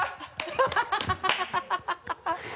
ハハハ